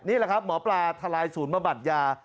นี่แหละครับหมอปลาทลายศูนย์บำบัดยา